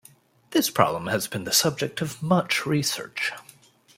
This problem has been the subject of much research.